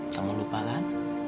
kamu lupa kan